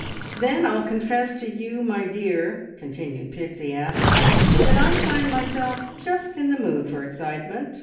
"Then I'll confess to you, my dear," continued Pixie affably, "that I find myself just in the mood for excitement.